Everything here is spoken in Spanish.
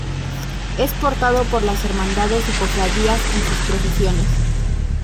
Es portado por las hermandades y cofradías en sus procesiones.